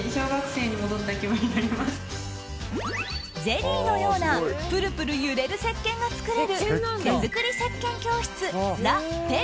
ゼリーのようなプルプル揺れるせっけんが作れる手作りせっけん教室ラ・ペ